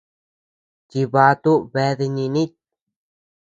Chibatu bea dinínit.